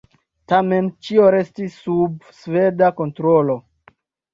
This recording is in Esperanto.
Tamen ĉio restis sub sveda kontrolo.